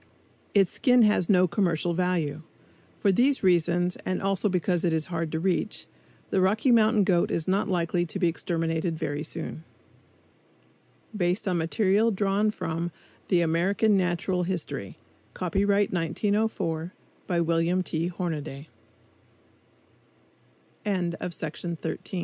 Its skin has no commercial value. For these reasons and also because it is hard to reach, the Rocky Mountain goat is not likely to be exterminated very soon. BASED ON MATERIAL DRAWN FROM "THE AMERICAN NATURAL HISTORY," COPYRIGHT 1904, BY WILLIAM T. HORNADAY ILLUSTRATION FOR THE MENTOR. VOL. 4. No. 13. S